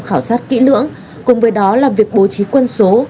khảo sát kỹ lưỡng cùng với đó là việc bố trí quân số